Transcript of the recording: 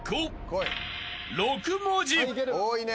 多いね